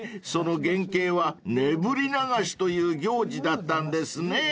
その原形はねぶり流しという行事だったんですね］